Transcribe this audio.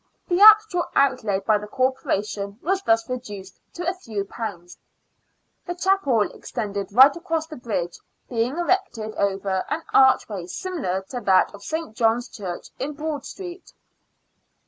The actual outlay by the Corporation was thus reduced to a few pounds. The chapel extended right across the bridge, being erected over an archway similar to that of St. John's Church in Broad Street.